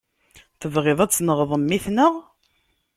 Tebɣiḍ a tenɣeḍ mmi-tneɣ?